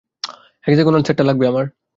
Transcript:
Hexagonal সেটটা লাগবে আমার।